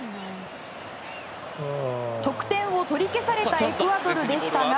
得点を取り消されたエクアドルでしたが。